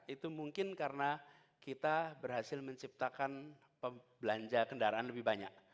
itu mungkin karena kita berhasil menciptakan belanja kendaraan lebih banyak